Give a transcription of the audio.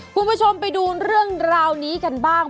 คุณผู้ชมไปดูเรื่องราวนี้กันบ้าง